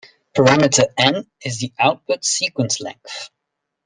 Parameter N is the output sequence length.